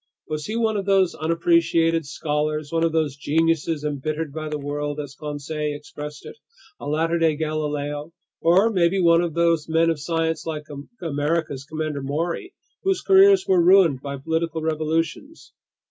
Was he one of those unappreciated scholars, one of those geniuses "embittered by the world," as Conseil expressed it, a latter day Galileo, or maybe one of those men of science, like America's Commander Maury, whose careers were ruined by political revolutions?